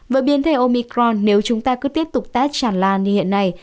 với biến thể omicron nếu chúng ta cứ tiếp tục test chàn lan như hiện nay